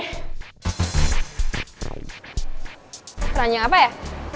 keranjang apa ya